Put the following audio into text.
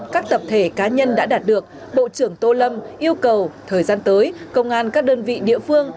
các tập thể cá nhân đã đạt được bộ trưởng tô lâm yêu cầu thời gian tới công an các đơn vị địa phương